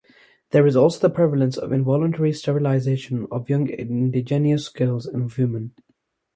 There is also the prevalence of involuntary sterilization of young indigenous girls and women.